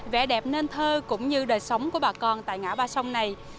vẻ đẹp nên thơ cũng như đời sống của bà con tại ngã ba sông này